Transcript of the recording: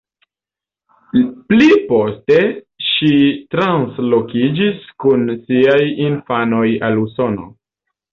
Pli poste, ŝi translokiĝis kun siaj infanoj al Usono.